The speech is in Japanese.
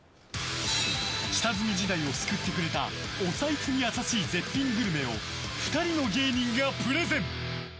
下積み時代を救ってくれたお財布に優しい絶品グルメを２人の芸人がプレゼン！